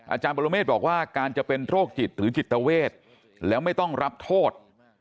อาจารย์ปรเมฆบอกว่าการจะเป็นโรคจิตหรือจิตเวทแล้วไม่ต้องรับโทษ